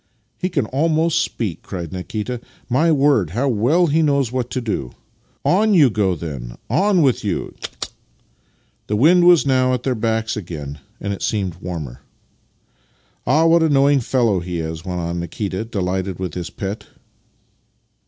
" He can almost speak! " cried Nikita. " My word, how well he knows what to do! On you go, then! On with you ! Tchk, tchk !'' The wind was now at their backs again, and it seemed warmer. " Ah, what a knowing fellow he is! " went on Nikita, delighted with his pet.